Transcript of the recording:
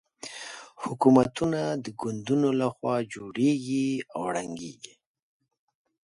حکومتونه د ګوندونو له خوا جوړېږي او ړنګېږي.